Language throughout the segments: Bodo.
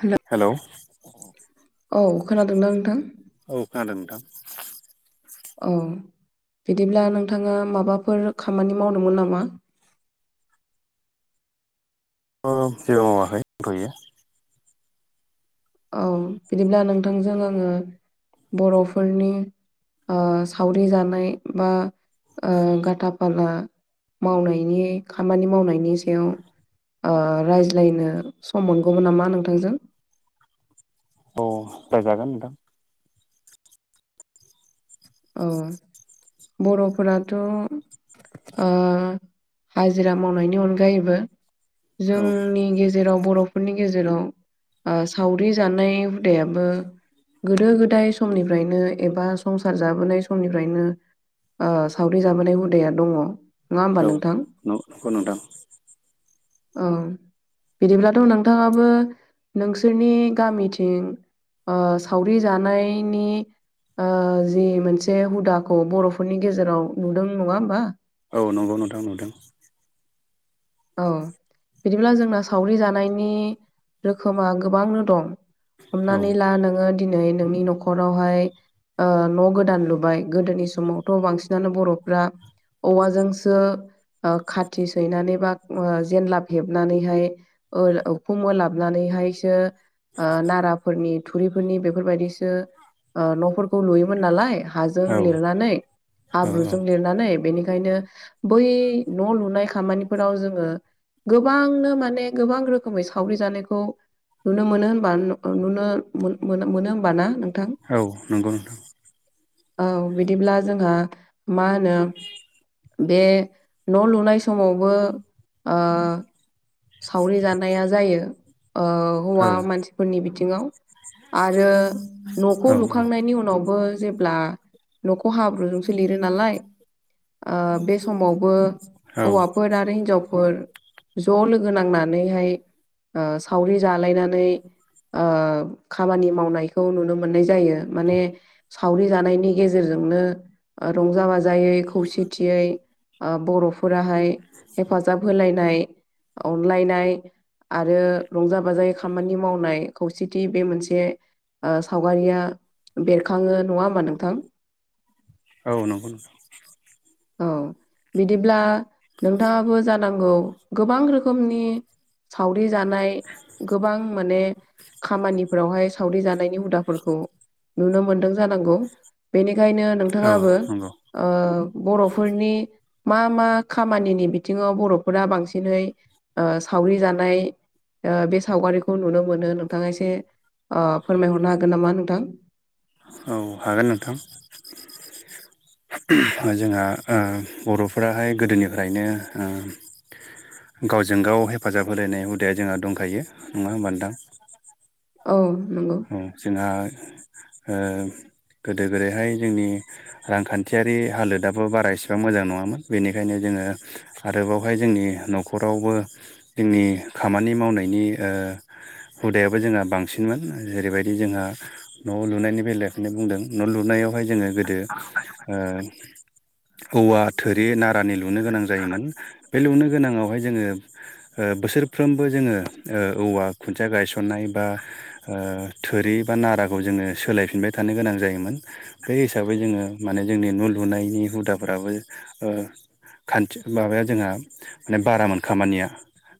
हेल'? हेलौ? औ खोनादोंना नोंथां? औ खोनादों नोंथां। औ बिदिब्ला नोंथाङा माबाफोर खामानि मावदोंमोन नामा? जेबो मावाखै दंथ'यो। औ बिदिब्ला नोंथांजों आङो बर'फोरनि सावरि जानाय बा ओ गाथा फाला मावनायनि खामानि मावनायनि सायाव रायज्लायनो सम मोनगौमोन नामा नोंथांजों? अ रायजागोन नोंथां। औ बर'फोराथ' ओ हाजिरा मावनायनि अनगायैबो औ जोंनि गेजे जेराव बर'फोरनि गेजेराव सावरि जानाय हुदायाबो गोदो गोदाय समनिफ्रायनो एबा संसा संसार जाबोनाय समनिफ्रायनो सावरि जाबोनाय हुदाया दङ। नङा होमबा औ नोंथां नंगौ नोंथां औ। बिदिब्लाथ' नोंथाङाबो नोंसोरनि गामिथिं सावरि जानायनि जि मोनसे हुदाखौ बर'फोरनि गेजेराव नुदों नङा होमबा? औ नंगौ नुदों नुदों। औ बिदिब्ला जोंना सावरि जानायनि रोखोमा गोबांनो दं। औ। हमनानै ला नोङो दिनै नोंनि न'खरावहाय न' गोदान लुबाय। गोदोनि समावथ' बांसिनानो बर'फ्रा औवाजोंसो खाथि सैनानै बा जेनलाब हेबनानैहाय उखुम होलाबनानैहायसो नाराफोरनि थुरिफोरनि बेफोरबायदिसो न'फोरखौ लुयोमोन नालाय। हाजों औ लिरनानै हाब्रुजों औ लिर नानै बेनिखायनो बै न' लुनाय खामानिफोराव जों ओ गोबांनो माने गोबां रोखोमै सावरि जानायखौ नुनो मोनो होमबा नुनो मोन-मोनो होमबा ना नोंथां? औ नंगौ नोंथां। औ बिदिब्ला जोंहा मा होनो बे न' लुनाय समावबो सावरि जानाया जायो। औ हौवा मानसिफोरनि बिथिङाव। आरो न'खौ औ लुखांनायनि उनावबो जेब्ला न'खौ हाब ब्रुजोंसो लिरो नालाय, बे समावबो औ हौवा फोर आरो हिनजावफोर ज' लोगो नांनानैहाय सावरि जालायनानै खामानि मावनायखौ नुनो मोननाय जायो माने सावरि जानायनि गेजेरजोंनो ओ रंजा बाजायै खौसेथियै ओ बर'फोराहाय हेफाजाब होलायनाय अनलायनाय आरो रंजा बाजायै खामानि मावनाय खौसेथि बे मोनसे ओ सावगारिया बेरखाङो नङा होमबा नोंथां? औ नंगौ नंगौ औ बिदिब्ला नोंथाङाबो जानांगौ गोबां रोख खोमनि सावरि जानाय गोबां माने खामानिफोरावहाय सावरि जानायनि हुदाफोरखौ नुनो मोनदों जानांगौ बेनिखायनो नोंथाङाबो ओ बर'फोरनि मा मा खामानिनि बिथिङाव बर'फोरा बांसिनै ओ सावरि जानाय ओ बे सावगारिखौ नुनो मोनो नोंथाङा एसे ओ फोरमायहरनो हागोन नामा नोंथां औ हागोन नोंथां [inaudible] जोंहा ओ बर'फोराहाय गोदोनिफ्रायनो ओ गावजों गाव हेफाजाब होलायनाय हुदाया जोंहा दंखायो नङा होमबा नोंथां? औ नंगौ औ जोंहा ओ गोदो गोदैहाय जोंनि रांखान्थियारि हालोदाबो बारा इसिबां मोजां नङामोन बेनिखायनो जोङो आरो बावहाय जोंनि न'खरावबो जोंनि खामानि मावनायनि ओ हुदायाबो जोंहा बांसिनमोन जेरैबायदि जोंहा न' लुनायनि बेलायावखौनो बुंदों न' लुनायावहाय जोङो गोदो ओ औवा थोरि नारानि लुनो गोनां जायोमोन बे लुनो गोनाङावहाय जोङो ओ बोसोरफ्रोमबो जोङो ओ औवा खुन्थिया गायसननाय बा ओ थोरि बा नाराखौ जोङो सोलायफिनबाय थानो गोनां जायोमोन। बे हिसाबै जोङो माने जोंनि न' लुनायनि हुदाफ्राबो ओ खान्थि माबाया जोंहा माने बारामोन खामानिया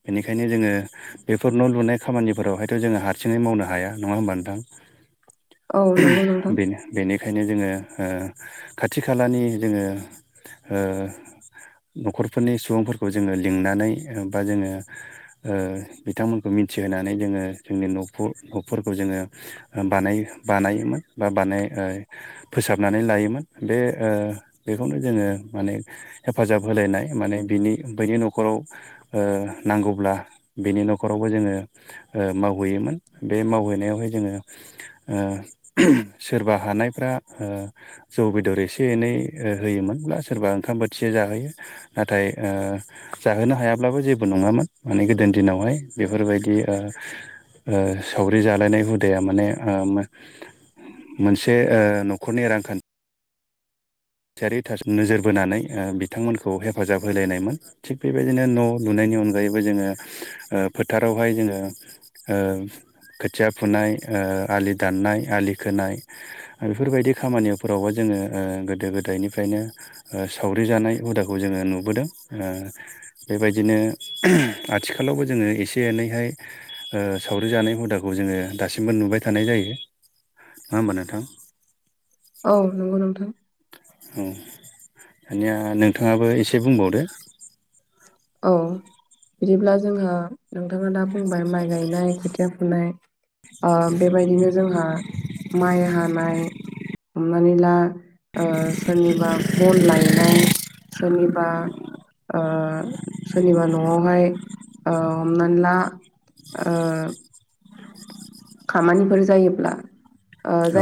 बेनिखायनो जोङो बेफोर न' लुनाय खामानिफोरावहायथ' जोङो हारसिङै मावनो हाया नङा होमब नोंथां औ नंगौ नोंथां बेनो बेनिखायनो जोङो ओ खाथि खालानि जोङो ओ न'खरफोरनि सुबुंफोरखौ जोङो लिंनानै बा जोङो ओ बिथांमोनखौ मिथिहोनानै जोङो जोंनि न'खर गपफोरखौ जोङो बानाय बानायोमोन बा बानाय फोसाबनानै लायोमोन बे ओ बेखौनो जोङो माने हेफाजाब होलायनाय माने बिनि बैनि न'खराव ओ नांगौब्ला बिनि न'खरावबो जोङो ओ मावहैयोमोन बे मावहैनायावहाय जोङो ओ सोरबा हानायफ्रा ओ जौ बेदर एसे एनै ओ होयोमोनब्ला सोरबा ओंखाम बोथिया जाहोयो नाथाय ओ जाहोनो हायाब्लाबो जेबो नङामोन माने गोदोनि दिनावहाय बेफोरबायदि ओ ओ सावरि जालायनाय हुदाया माने ओ मोनसे ओ न'खरनि रांखान थियारि नोजोर बोनानै ओ बिथांमोनखौ हेफाजाब होलायनायमोन। थिग बेबायदिनो न' लुनायनि अनगायैबो जोङो ओ फोथारावहाय जोङो ओ खोथिया फुनाय ओ आलि दाननाय आलि खोनाय बेफोरबायदि खामानिफोरावबो जोङो ओ गोदो गोदायनिफ्रायनो ओ सावरि जानाय हुदाखौ जोङो नुबोदों ओ बेबायदिनो आथिखालावबो जोङो एसे एनैहाय ओ सावरि जानाय हुदाखौ जोङो दासिमबो नुबाय थानाय जायो नङा होमबा नोंथां? औ नंगौ नोंथां। औ दानिया नोंथाङाबो एसे बुंबावदो। औ बिदिब्ला जोंहा नोंथाङा दा बुंबाय माइ गायनाय खोथिया फुनाय। बेबायदिनो जोंहा माइ हानाय। हमनानै ला सोरनिबा बन लायनाय। सोरनिबा ओ सोरनिबा न'आवहाय हमनानै ला ओ खामानिफोर जायोब्ला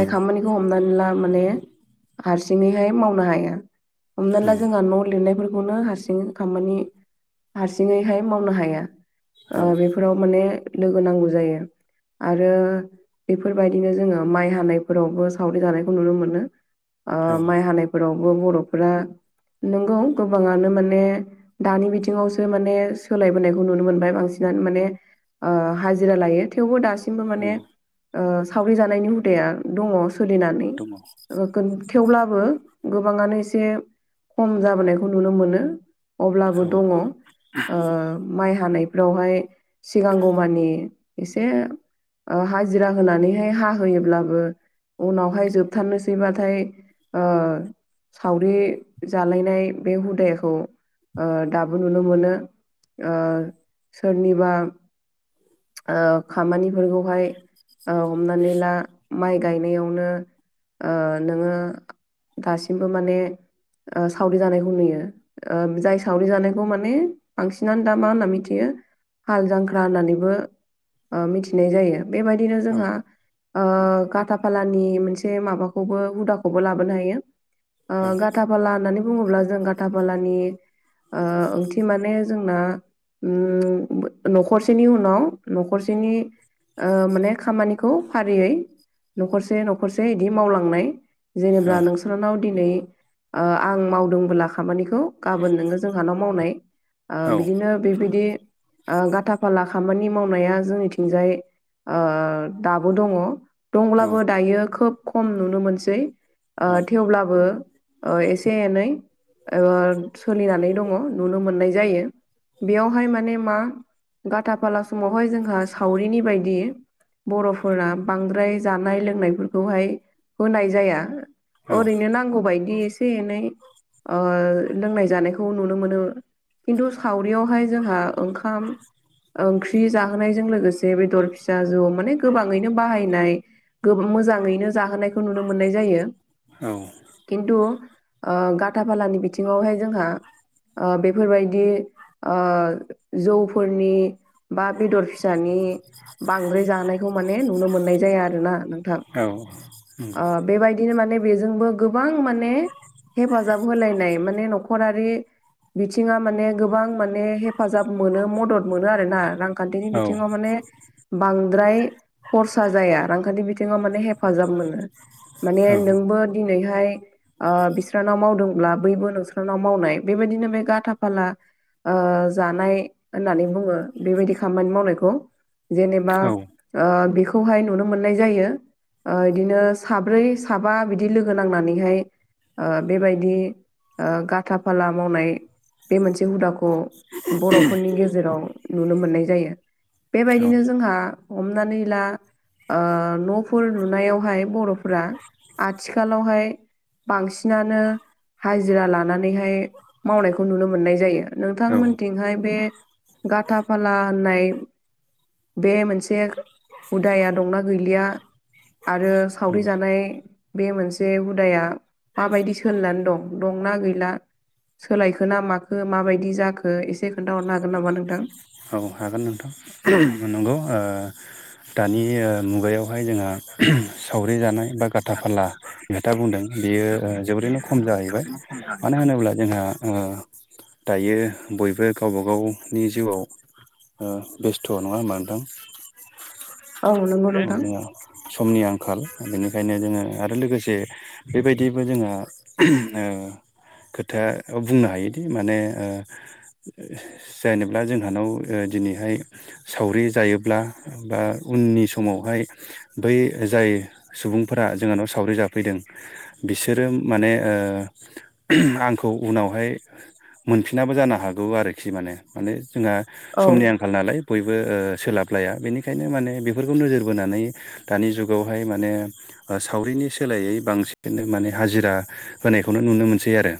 औ खामानि खौ हमनानै ला माने हारसिङैहाय मावनो हाया। हमना औ ला जोंहा न' लिरनायफोरखौनो हारसिं खामानि हारसिंङैहाय मावनो हाया ओ बेबादि औ फोराव माने लोगो नांगौ जायो। आरो बेफोरबायदिनो जोङो माइ हानायफोरावबो सावरि जानायखौ नुनो मोनो। औ माइ हानायफोरावबो बर'फोरा नंगौ गोबाङानो माने दानि बिथिङावसो माने सोलायबोनायखौ नुनो मोनबाय बांसिनानो माने हाजिरा लायो थेवबो दासिम औ माने सावरि जानायनि हुदाया दङ सोलिनानै। दङ। थेवब्लाबो गोबाङानो एसे खम जाबोनायखौ नुनो मोनो। अब्लाबो औ दङ ओ माइ हानायफ्रावहाय सिगांगौ मानि एसे हाजिरा होनानैहाय हाहोयोब्लाबो उनावहाय जोबथारनोसैबाथाय ओ सावरि जालायनाय बे हुदाखौ दाबो नुनो मोनो। सोरनिबा खामानिफोरखौ ओमफ्राय ओ हमनानैला माइ गायनायावनो नोङो दासिमबो माने सावरि जानायखौ नुयो। जाय सावरि जानायखौ माने बांसिनानो दा मा होनना मिथियो हाल जांख्रा होननानैबो मिथिनाय जायो बेबायदिनो औ जोंहा काथा फालानि मोनसे माबाखौबो हुदाखौबो लाबोनो हायो। औ गाथा फाला होननानै बुङोब्ला जों गाथा फालानि ओ ओंथि माने जोंना उम न'खरसेनि उनाव न'खरसेनि ओ माने खामानिखौ फारियै न'खरसे न'खरसे बिदि मावलांनाय। औ जेनेबा नोंसोरनाव दिनै आं मावदोंबोब्ला खामानिखौ गाबोन नोङो जोंह न' मावनाय औ बिदिनो बेबायदि गाथा फाला खामानि मावनाया जोंनिथिंजाय दाबो दङ। औ औ दंब्लाबो दायो खोब खम नुनो मोनसै थेवब्लाबो ओ एसे नै ओसोलिनानै दङ नुनो मोननाय जायो बेयावहाय माने मा गाथा फाला समावहाय जोंहा सावरिनि बायदि बर'फोराना बांद्राय जानाय लोंनायफोरखौहाय होनाय जाया। ओरैनो नांगौबायदि एसे एनै ओ लोंनाय जानायखौ नुनो मोनो। खिन्थु सावरियावहाय जोंहा ओंखाम ओंख्रि जाहोनायजों लोगोसे बेदर फि दा ज माने गोबाङैनो बाहायनाय मोजाङै जाहोनाय खौ नुनो मोननाय जायो। खिन्थु गाथा फालानि बिथिङावहाय जोंहा ओ बेफोरबायदि ओ जौफोरनि बा बेदर फिसानि बांद्राय जानायखौ माने नुनो मोननाय जाया आरो ना नोंथां। नंगौ ओ बेबायदि बिदिनो माने बेजोंबो गोबां माने हेफाजाब होलायनाय माने न'खरारि बिथिङा माने गोबां माने हेफाजाब मोनो मदद मोनो आरोना रां कान्टिनि औ औ बिथिङाव माने बांद्राय खरसा जाया रांखान्थि बिथिङाव माने हेफाजाब मोनो। माने औ नोंबो दिनैहाय बिस्रानाव मावदोंब्ला बैबो नोंस्रानाव मावनाय बेबायदिनो बे गाथा फाला ओ जानाय होननानै बुङो बेबायदि खामानि मावनायखौ। जेनेबा ओ बेखौहाय नुनो मोननाय जायो। ओ बिदिनो साब्रै साबा बिदि लोगो नांनानैहाय ओ बेबायदि गाथा फाला मावनाय बे मोनसे हुदाखौ बर'फोरनि गेजेराव नुनो मोननाय जायो। बेबायदिनो जोंहा हमनानै ला ओ न'फोर लुनायावहाय बर'फोरा आथिखालावहाय बांसिनानो हाजिरा लानानैहाय मावनायखौ नुनो मोननाय जायो। औ नोंथांमोनथिंहाय बे गाथा फाला होननाय बे मोनसे हुदाया दंना गैलिया आरो सावरि जानाय बे मोनसे हुदाया माबायदि सोलिनानै दं दंना गैला सोलायखो ना माखो माबायदि जाखो एसे खोन्थाहरनो हागोन नामा नोंथां? औ हागोन नोंथां नंगौ ओ दानि मुगायावहाय जोंहा सावरि जानाय बा गाथा फाला खोथा बुंदों। बियो जोबोरैनो खम जाहैबाय मानो होनोब्ला जोंहा ओ दायो बयबो गावबा गावनि जिउआव ओ बेस्थ' नङा होनोमबा नोंथां औ नंगौ नोंथां समनि आंखाल बेनिखायनो जोङो आरो लोगोसे बेबायदिबो जोंहा ओ खोथाया बुंनो हायोदि माने ओ जेनेब्ला जोंहानाव दिनैहाय सावरि जायोब्ला बा उननि समावहाय बै जाय सुबुंफोरा जोंहानाव सावरि जाफैदों। बिसोरो माने ओ आंखौ उनावहाय मोनफिनाबो जानो हागौ आरोखि माने। माने जोंहा औ समनि आं खाल नालाय बयबो सोलाबलाया बेनिखायनो माने बेफोरखौ नोजोर बोनानै दानि जुगावहाय माने सावरिनि सोलायै बांसिन माने हाजिरा होनायखौनो नुनो मोनसै आरो।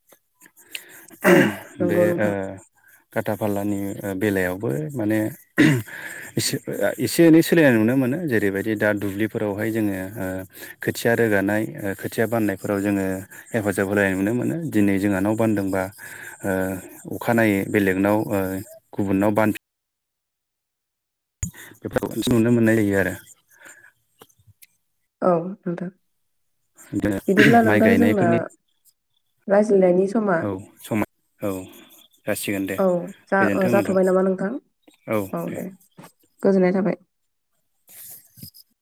[inaudible] बे नंगौ नोंथां ओ खाथा फालानि बेलायावबो माने एसे एनै सोलायनाय नुनो मोनो जेरैबायदि दा दुब्लिफोरावहाय जोङो ओ खोथिया रोगानाय खोथिया बाननायफोराव जोङो हेफाजाब होलायनाय नुनो मोनो दिनै जोंहा न' बान्दोंबा ओ अखानायै बेलेगनाव ओ गुबुननाव बान बेफोरखौ नुनो मोननाय जायो आरो। औ नोंथां बिदिनो बिदिब्ला माइ नोंथां जोंना गायनायफोरनि रायज्लायनायनि समा औ समा औ जासिगोन दे औ जा गोजोन्थों नोंथां जाथ'बाय नामा नोंथां औ दे। गोजोननाय थाबाय। [inaudible]